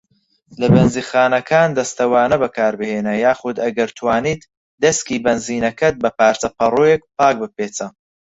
لە بەنزینخانەکان، دەستەوانە بەکاربهینە یاخود ئەگەر توانیت دەسکی بەنزینەکە بە پارچە پەڕۆیەکی پاک بپێچە.